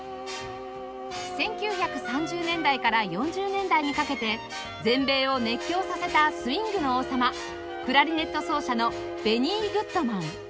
１９３０年代から４０年代にかけて全米を熱狂させたスウィングの王様クラリネット奏者のベニー・グッドマン